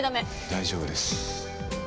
大丈夫です。